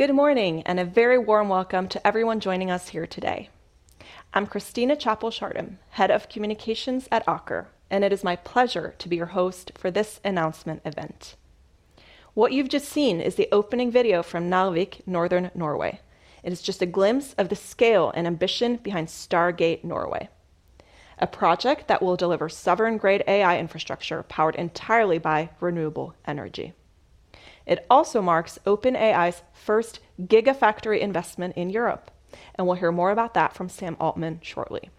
Good morning and a very warm welcome to everyone joining us here today. I'm Christina Schartum, Head of Communications at Aker, and it is my pleasure to be your host for this announcement event. What you've just seen is the opening video from Narvik, Northern Norway. It is just a glimpse of the scale and ambition behind Stargate Norway, a project that will deliver sovereign-grade AI infrastructure powered entirely by renewable energy. It also marks OpenAI's first AI gigafactory investment in Europe, and we'll hear more about that from Sam Altman shortly.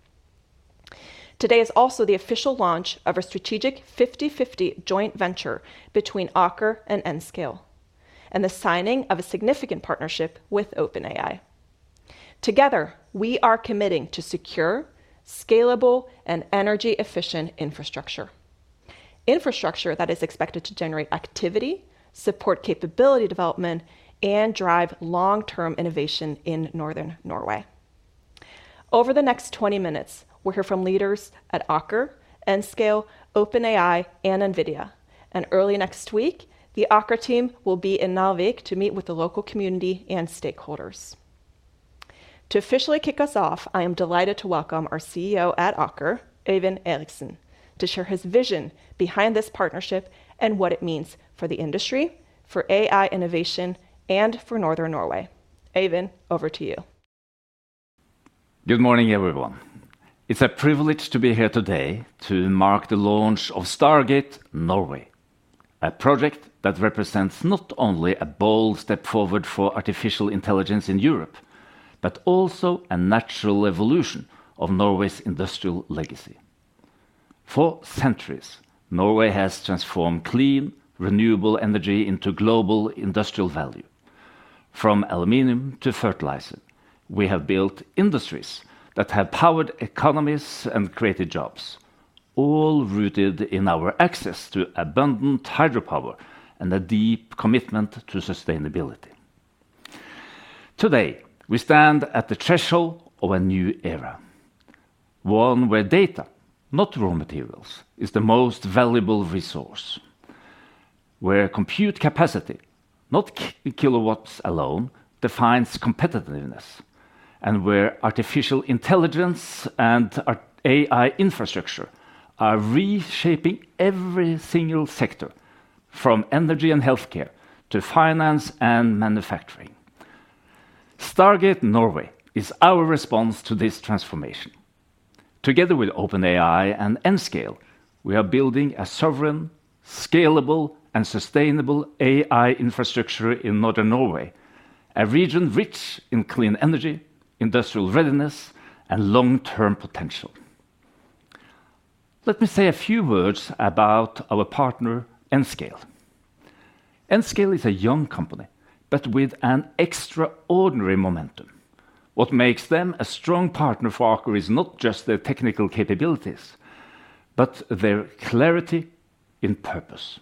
Today is also the official launch of a strategic 50/50 joint venture between Aker and Nscale, and the signing of a significant partnership with OpenAI. Together, we are committing to secure, scalable, and energy-efficient infrastructure. Infrastructure that is expected to generate activity, support capability development, and drive long-term innovation in Northern Norway. Over the next 20 minutes, we'll hear from leaders at Aker, Nscale, OpenAI, and NVIDIA. Early next week, the Aker team will be in Narvik to meet with the local community and stakeholders. To officially kick us off, I am delighted to welcome our CEO at Aker, Øyvind Eriksen, to share his vision behind this partnership and what it means for the industry, for AI innovation, and for Northern Norway. Øyvind, over to you. Good morning, everyone. It's a privilege to be here today to mark the launch of Stargate Norway, a project that represents not only a bold step forward for artificial intelligence in Europe, but also a natural evolution of Norway's industrial legacy. For centuries, Norway has transformed clean, renewable energy into global industrial value. From aluminum to fertilizer, we have built industries that have powered economies and created jobs, all rooted in our access to abundant hydropower and a deep commitment to sustainability. Today, we stand at the threshold of a new era, one where data, not raw materials, is the most valuable resource. Where compute capacity, not kilowatts alone, defines competitiveness, and where artificial intelligence and AI infrastructure are reshaping every single sector, from energy and healthcare to finance and manufacturing. Stargate Norway is our response to this transformation. Together with OpenAI and Nscale, we are building a sovereign, scalable, and sustainable AI infrastructure in Northern Norway, a region rich in clean energy, industrial readiness, and long-term potential. Let me say a few words about our partner, Nscale. Nscale is a young company, but with extraordinary momentum. What makes them a strong partner for Aker is not just their technical capabilities, but their clarity in purpose.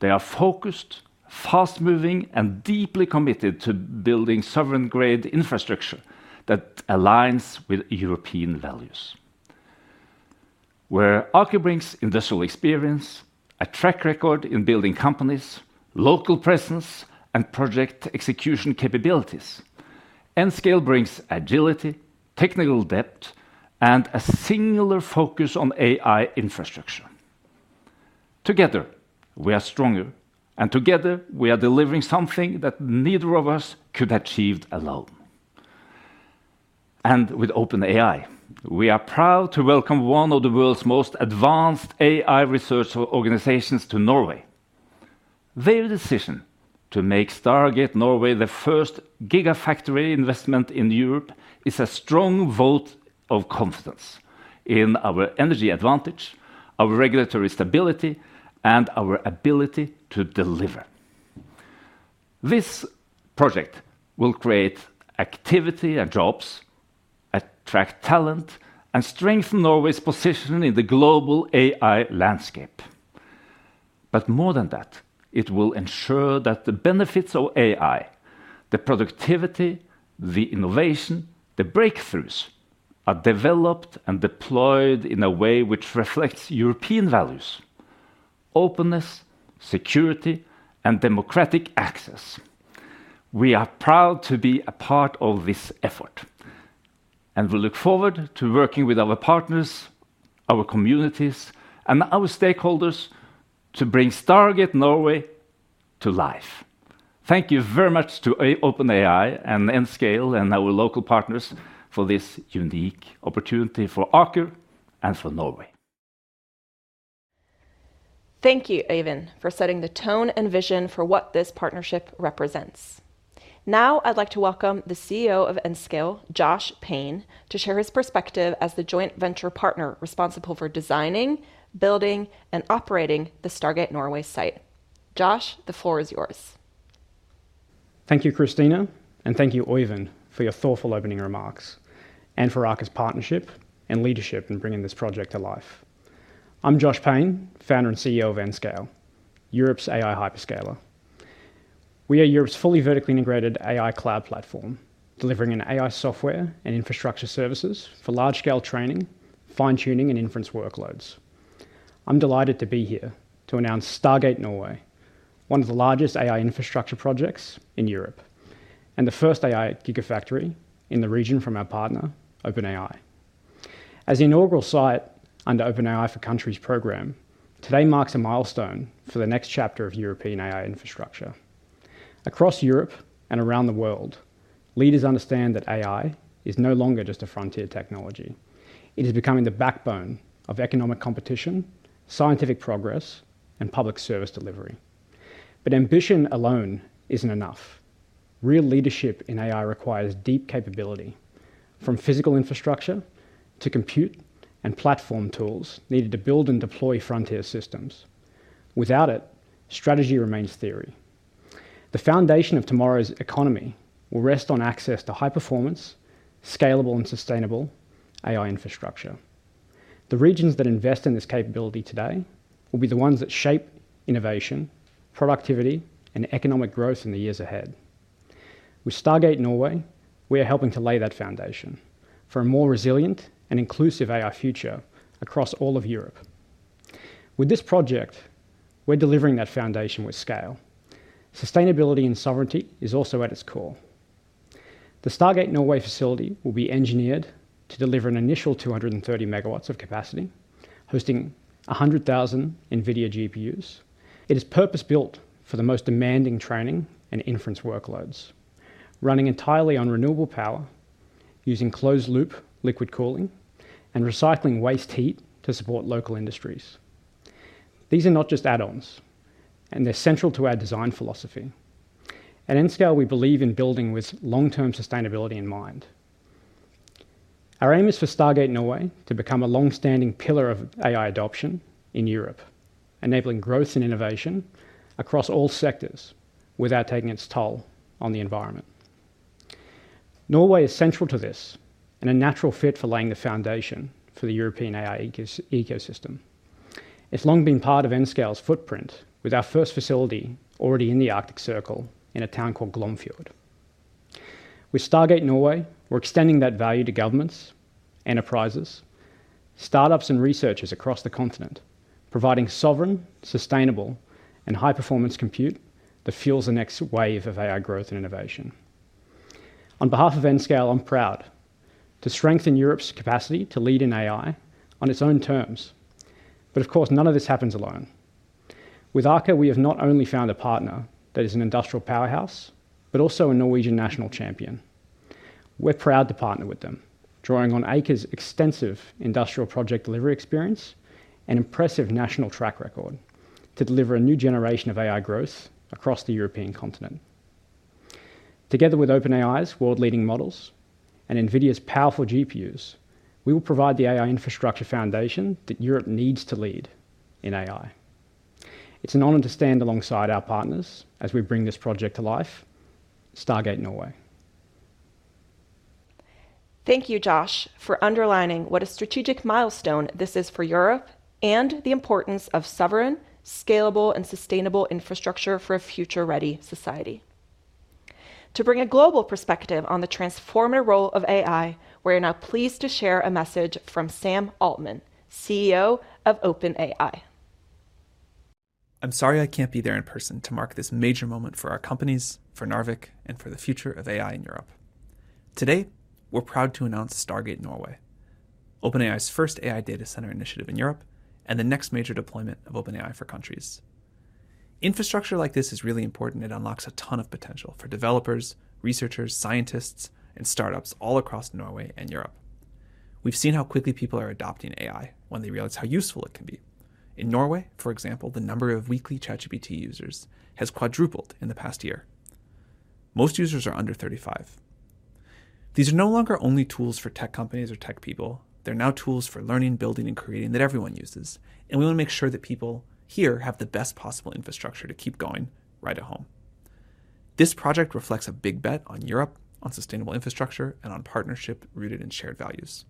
They are focused, fast-moving, and deeply committed to building sovereign-grade infrastructure that aligns with European values. Where Aker brings industrial experience, a track record in building companies, local presence, and project execution capabilities, Nscale brings agility, technical depth, and a singular focus on AI infrastructure. Together, we are stronger, and together, we are delivering something that neither of us could have achieved alone. With OpenAI, we are proud to welcome one of the world's most advanced AI research organizations to Norway. Their decision to make Stargate Norway the first AI gigafactory investment in Europe is a strong vote of confidence in our energy advantage, our regulatory stability, and our ability to deliver. This project will create activity and jobs, attract talent, and strengthen Norway's position in the global AI landscape. More than that, it will ensure that the benefits of AI, the productivity, the innovation, the breakthroughs are developed and deployed in a way which reflects European values: openness, security, and democratic access. We are proud to be a part of this effort, and we look forward to working with our partners, our communities, and our stakeholders to bring Stargate Norway to life. Thank you very much to OpenAI and Nscale and our local partners for this unique opportunity for Aker and for Norway. Thank you, Eivind, for setting the tone and vision for what this partnership represents. Now, I'd like to welcome the CEO of Nscale, Josh Payne, to share his perspective as the joint venture partner responsible for designing, building, and operating the Stargate Norway site. Josh, the floor is yours. Thank you, Christina, and thank you, Eivind, for your thoughtful opening remarks and for Aker's partnership and leadership in bringing this project to life. I'm Josh Payne, Founder and CEO of Nscale, Europe's AI hyperscaler. We are Europe's fully vertically integrated AI cloud platform, delivering AI software and infrastructure services for large-scale training, fine-tuning, and inference workloads. I'm delighted to be here to announce Stargate Norway, one of the largest AI infrastructure projects in Europe and the first AI gigafactory in the region from our partner, OpenAI. As the inaugural site under the OpenAI for Countries program, today marks a milestone for the next chapter of European AI infrastructure. Across Europe and around the world, leaders understand that AI is no longer just a frontier technology. It is becoming the backbone of economic competition, scientific progress, and public service delivery. Ambition alone isn't enough. Real leadership in AI requires deep capability, from physical infrastructure to compute and platform tools needed to build and deploy frontier systems. Without it, strategy remains theory. The foundation of tomorrow's economy will rest on access to high-performance, scalable, and sustainable AI infrastructure. The regions that invest in this capability today will be the ones that shape innovation, productivity, and economic growth in the years ahead. With Stargate Norway, we are helping to lay that foundation for a more resilient and inclusive AI future across all of Europe. With this project, we're delivering that foundation with scale. Sustainability and sovereignty are also at its core. The Stargate Norway facility will be engineered to deliver an initial 230 megawatts of capacity, hosting 100,000 NVIDIA GPUs. It is purpose-built for the most demanding training and inference workloads, running entirely on renewable power, using closed-loop liquid cooling, and recycling waste heat to support local industries. These are not just add-ons, they're central to our design philosophy. At Nscale, we believe in building with long-term sustainability in mind. Our aim is for Stargate Norway to become a longstanding pillar of AI adoption in Europe, enabling growth and innovation across all sectors without taking its toll on the environment. Norway is central to this and a natural fit for laying the foundation for the European AI ecosystem. It's long been part of Nscale's footprint, with our first facility already in the Arctic Circle in a town called Glomfjord. With Stargate Norway, we're extending that value to governments, enterprises, startups, and researchers across the continent, providing sovereign, sustainable, and high-performance compute that fuels the next wave of AI growth and innovation. On behalf of Nscale, I'm proud to strengthen Europe's capacity to lead in AI on its own terms. None of this happens alone. with Aker, we have not only found a partner that is an industrial powerhouse, but also a Norwegian national champion. We're proud to partner with them, drawing on Aker's extensive industrial project delivery experience and impressive national track record to deliver a new generation of AI growth across the European continent. Together with OpenAI's world-leading models and NVIDIA's powerful GPUs, we will provide the AI infrastructure foundation that Europe needs to lead in AI. It's an honor to stand alongside our partners as we bring this project to life. Stargate Norway. Thank you, Josh, for underlining what a strategic milestone this is for Europe and the importance of sovereign, scalable, and sustainable infrastructure for a future-ready society. To bring a global perspective on the transformative role of AI, we are now pleased to share a message from Sam Altman, CEO of OpenAI. I'm sorry I can't be there in person to mark this major moment for our companies, for Narvik, and for the future of AI in Europe. Today, we're proud to announce Stargate Norway, OpenAI's first AI data center initiative in Europe and the next major deployment of OpenAI for Countries. Infrastructure like this is really important. It unlocks a ton of potential for developers, researchers, scientists, and startups all across Norway and Europe. We've seen how quickly people are adopting AI when they realize how useful it can be. In Norway, for example, the number of weekly ChatGPT users has quadrupled in the past year. Most users are under 35. These are no longer only tools for tech companies or tech people. They're now tools for learning, building, and creating that everyone uses. We want to make sure that people here have the best possible infrastructure to keep going right at home. This project reflects a big bet on Europe, on sustainable infrastructure, and on partnership rooted in shared values.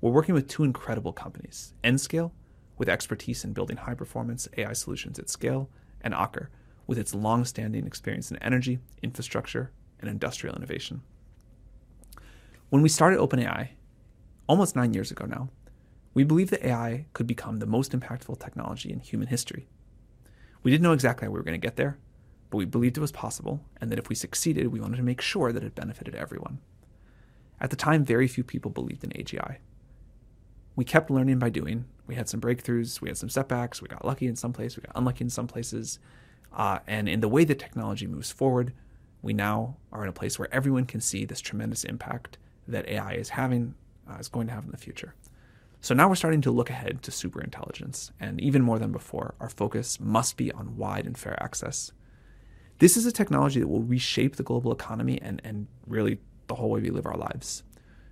We're working with two incredible companies: Nscale, with expertise in building high-performance AI solutions at scale, and Aker, with its longstanding experience in energy, infrastructure, and industrial innovation. When we started OpenAI almost nine years ago now, we believed that AI could become the most impactful technology in human history. We didn't know exactly how we were going to get there, but we believed it was possible and that if we succeeded, we wanted to make sure that it benefited everyone. At the time, very few people believed in AGI. We kept learning by doing. We had some breakthroughs. We had some setbacks. We got lucky in some places. We got unlucky in some places. In the way that technology moves forward, we now are in a place where everyone can see this tremendous impact that AI is having, is going to have in the future. Now we're starting to look ahead to superintelligence. Even more than before, our focus must be on wide and fair access. This is a technology that will reshape the global economy and really the whole way we live our lives.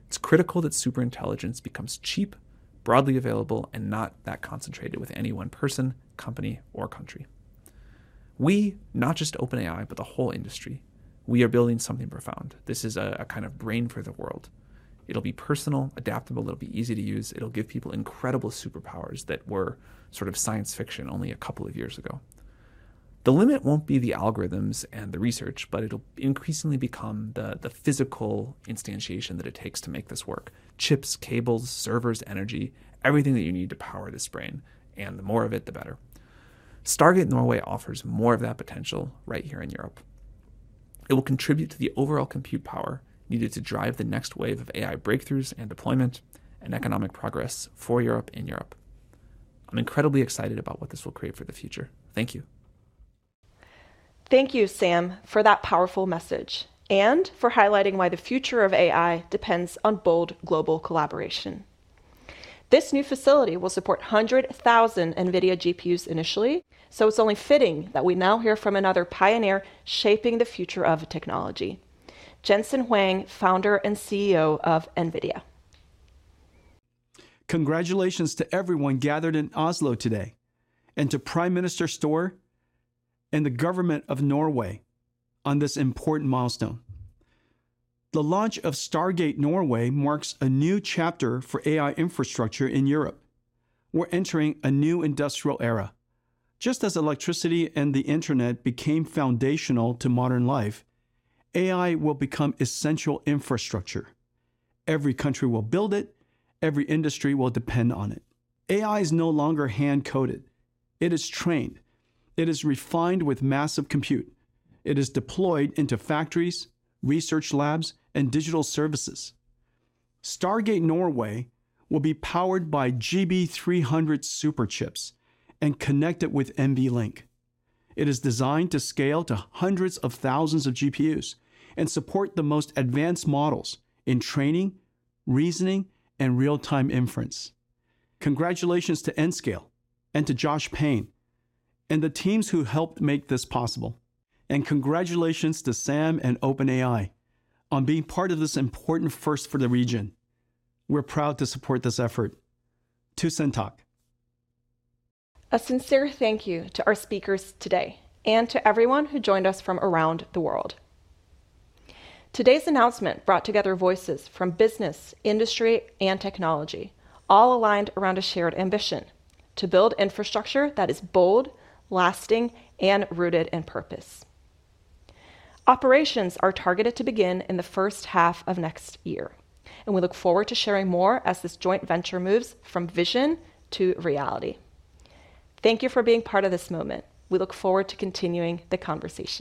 It's critical that superintelligence becomes cheap, broadly available, and not that concentrated with any one person, company, or country. We, not just OpenAI, but the whole industry, we are building something profound. This is a kind of brain for the world. It'll be personal, adaptable. It'll be easy to use. It'll give people incredible superpowers that were sort of science fiction only a couple of years ago. The limit won't be the algorithms and the research, but it'll increasingly become the physical instantiation that it takes to make this work: chips, cables, servers, energy, everything that you need to power this brain. The more of it, the better. Stargate Norway offers more of that potential right here in Europe. It will contribute to the overall compute power needed to drive the next wave of AI breakthroughs and deployment and economic progress for Europe. I'm incredibly excited about what this will create for the future. Thank you. Thank you, Sam, for that powerful message and for highlighting why the future of AI depends on bold global collaboration. This new facility will support 100,000 NVIDIA GPUs initially, so it's only fitting that we now hear from another pioneer shaping the future of technology, Jensen Huang, Founder and CEO of NVIDIA. Congratulations to everyone gathered in Oslo today and to Prime Minister Støre and the government of Norway on this important milestone. The launch of Stargate Norway marks a new chapter for AI infrastructure in Europe. We're entering a new industrial era. Just as electricity and the internet became foundational to modern life, AI will become essential infrastructure. Every country will build it. Every industry will depend on it. AI is no longer hand-coded. It is trained. It is refined with massive compute. It is deployed into factories, research labs, and digital services. Stargate Norway will be powered by GB300 superchips and connected with NVLink network technology. It is designed to scale to hundreds of thousands of GPUs and support the most advanced models in training, reasoning, and real-time inference. Congratulations to Nscale and to Josh Payne and the teams who helped make this possible. Congratulations to Sam and OpenAI on being part of this important first for the region. We're proud to support this effort. Tusen takk. A sincere thank you to our speakers today and to everyone who joined us from around the world. Today's announcement brought together voices from business, industry, and technology, all aligned around a shared ambition: to build infrastructure that is bold, lasting, and rooted in purpose. Operations are targeted to begin in the first half of next year, and we look forward to sharing more as this joint venture moves from vision to reality. Thank you for being part of this moment. We look forward to continuing the conversation.